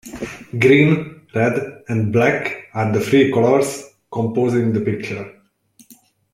Green, red, and black are the three Colors composing the Picture.